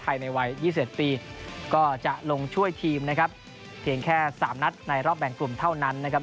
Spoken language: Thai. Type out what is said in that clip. ในวัย๒๑ปีก็จะลงช่วยทีมนะครับเพียงแค่สามนัดในรอบแบ่งกลุ่มเท่านั้นนะครับ